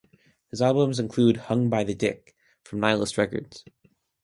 His albums include "Hung by the Dick" from Nihilist Records.